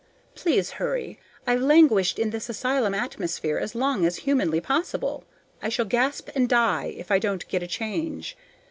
Please hurry! I've languished in this asylum atmosphere as long as humanely possible. I shall gasp and die if I don't get a change.